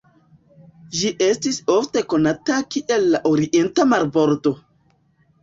Ĝi estis ofte konata kiel la "orienta marbordo".